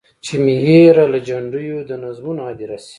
چي مي هېره له جنډیو د نظمونو هدیره سي.